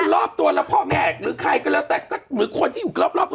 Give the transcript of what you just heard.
คนรอบตัวพ่อแม่หรือใครก็แล้วแตะหรือคนที่อยู่รอบ